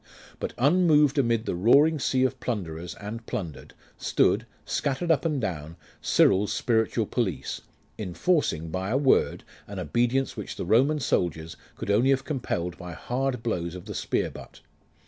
But unmoved amid the roaring sea of plunderers and plundered, stood, scattered up and down, Cyril's spiritual police, enforcing, by a word, an obedience which the Roman soldiers could only have compelled by hard blows of the spear butt.